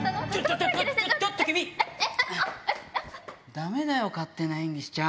だめだよ、勝手な演技しちゃ。